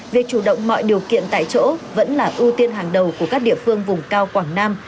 việc chủ động mọi điều kiện tại chỗ vẫn là ưu tiên hàng đầu của các địa phương vùng cao quảng nam